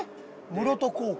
室戸高校？